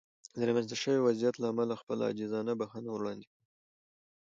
د رامنځته شوې وضعیت له امله خپله عاجزانه بښنه وړاندې کوم.